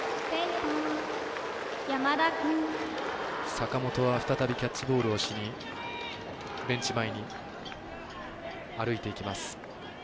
坂本は再びキャッチボールをしにベンチ前に歩いていきます。